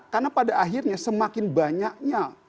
karena pada akhirnya semakin banyaknya